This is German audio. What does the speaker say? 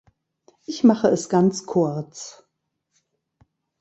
Ich mache es ganz kurz.